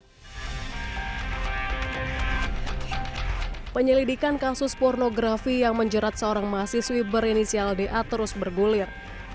hai penyelidikan kasus pornografi yang menjerat seorang mahasiswi berinisial da terus bergulir